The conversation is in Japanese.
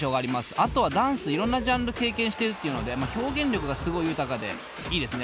あとはダンスいろんなジャンル経験してるっていうので表現力がすごい豊かでいいですね。